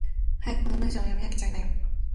早くこの文章を読み上げちゃいなよ。